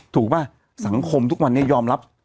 ป่ะสังคมทุกวันนี้ยอมรับ